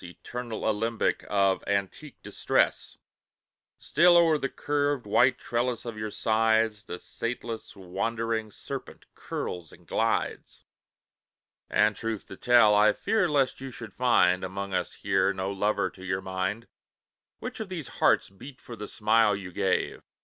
Eternal alembic of antique distress! Still o'er the curved, white trellis of your sides The sateless, wandering serpent curls and glides. And truth to tell, I fear lest you should find, Among us here, no lover to your mind; Which of these hearts beat for the smile you gave?